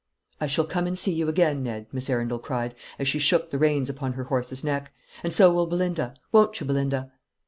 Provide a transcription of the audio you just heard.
"I shall come and see you again, Ned," Miss Arundel cried, as she shook the reins upon her horse's neck; "and so will Belinda won't you, Belinda?"